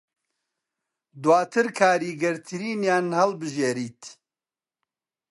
دوواتر کاریگەرترینیان هەڵبژێریت